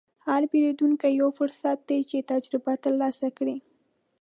هر پیرودونکی یو فرصت دی چې تجربه ترلاسه کړې.